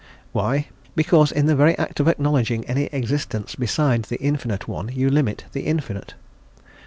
Why? Because in the very act of acknowledging any existence beside the Infinite One you limit the Infinite.